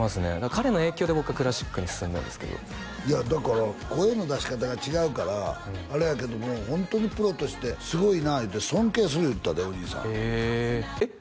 彼の影響で僕はクラシックに進んだんですけどいやだから声の出し方が違うからあれやけどもホントにプロとしてすごいないうて尊敬する言うてたでお兄さんへええっ？